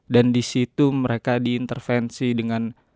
dan disitu mereka diintervensi dengan